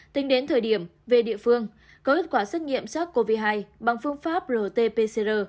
tính đến thời điểm về địa phương có kết quả xét nghiệm sars cov hai bằng phương pháp rt pcr